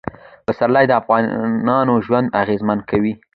پسرلی د افغانانو ژوند اغېزمن کوي.